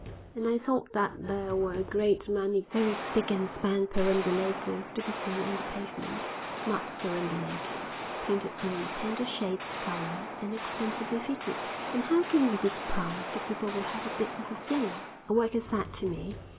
And I thought that there were a great many very spick and span perambulators to be seen on the pavement; smart perambulators, painted in tender shades of color and expensively fitted. "And how can you be surprised if people will have a bit of a fling?" a worker said to me.